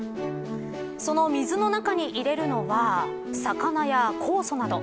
その水の中に入れるのは魚や酵素など。